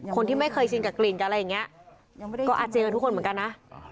คนที่ไม่เคยชินกับกลิ่นอะไรอย่างนี้ก็อาเจียกับทุกคนเหมือนกันนะ